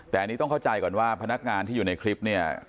แต่อันนี้ต้องเข้าใจก่อนว่าพนักงานที่อยู่ในคลิปเนี่ย